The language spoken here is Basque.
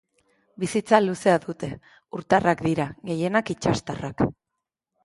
Bizitza luzea dute, urtarrak dira, gehienak itsastarrak.